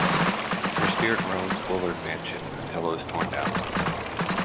Her spirit roamed Bullard mansion until it was torn down.